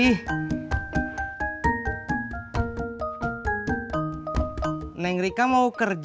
kakak tisna udah beres